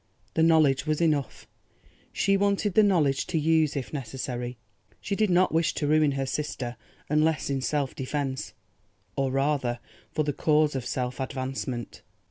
The knowledge was enough; she wanted the knowledge to use if necessary. She did not wish to ruin her sister unless in self defence, or rather, for the cause of self advancement.